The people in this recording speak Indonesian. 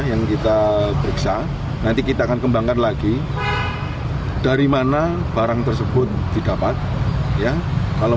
yang kita periksa nanti kita akan kembangkan lagi dari mana barang tersebut didapat ya kalau